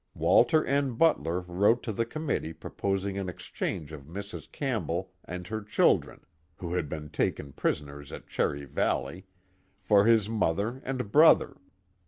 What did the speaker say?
Walter N. Butler wrote to the coinmiliee proposing an exchange of Mrs. Campbell and her child ren {who had been taken prisoners at Cherry Valley) for his mother and brother.